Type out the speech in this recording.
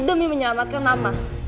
demi menyelamatkan mama